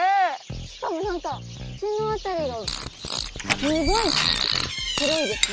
しかも何か口の辺りがすごい黒いですね。